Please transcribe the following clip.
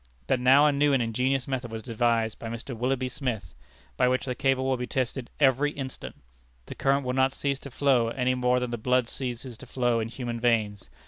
But now a new and ingenious method was devised by Mr. Willoughby Smith, by which the cable will be tested every instant. The current will not cease to flow any more than the blood ceases to flow in human veins.